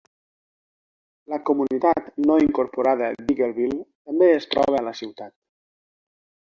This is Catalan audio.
La comunitat no incorporada d'Eagleville també es troba a la ciutat.